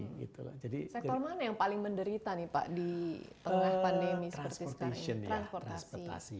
sektor mana yang paling menderita nih pak di tengah pandemi seperti sekarang ini transportasi